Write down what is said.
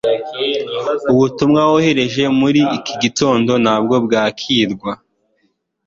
ubutumwa wohereje muri iki gitondo ntabwo bwakirwa